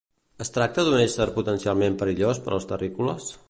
Es tracta d'un ésser potencialment perillós per als terrícoles?